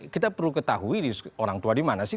kita perlu ketahui orang tua di mana sih